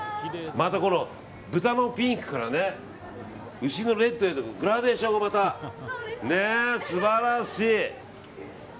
またこの豚のピンクから牛のレッドへのグラデーションがまた素晴らしい。